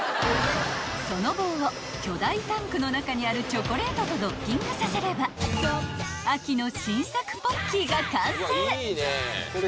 ［その棒を巨大タンクの中にあるチョコレートとドッキングさせれば秋の新作ポッキーが完成］